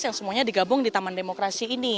yang semuanya digabung di taman demokrasi ini